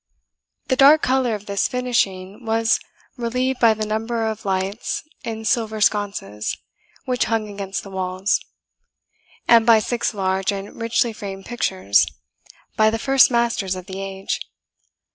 The dark colour of this finishing was relieved by the number of lights in silver sconces which hung against the walls, and by six large and richly framed pictures, by the first masters of the age.